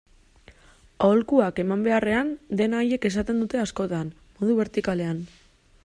Aholkuak eman beharrean, dena haiek esaten dute askotan, modu bertikalean.